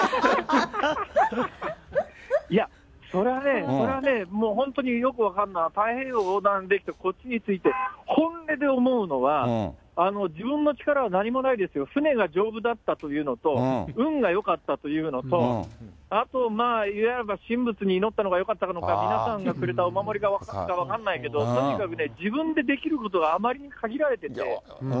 いや、それはね、それはね、もう本当によく分かるのは、太平洋横断できて、こっちに着いて、本音で思うのは、自分の力は何もないですよ、船が丈夫だったというのと、運がよかったというのと、あとまあ言えば神仏に祈ったのがよかったのか、皆さんがくれたお守りがよかったのか分からないけど、とにかくね、自分でできることはあまりに限られてて。